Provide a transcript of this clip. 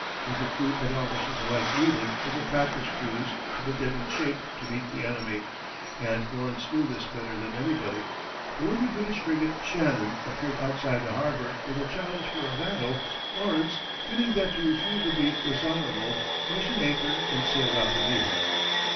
What the crew and officers alike needed was a practice cruise to put them in shape to meet the enemy, and Lawrence knew this better than anybody, but when the British frigate Shannon appeared outside the harbor with a challenge for a battle, Lawrence, feeling that to refuse would be dishonorable, hoisted anchor and sailed out to meet her.